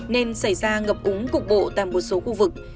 nên xảy ra ngập úng cục bộ tại một số khu vực